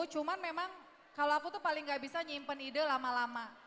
cuman memang kalau aku tuh paling gak bisa nyimpen ide lama lama